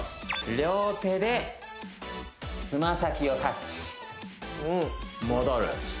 両手でつま先をタッチ戻る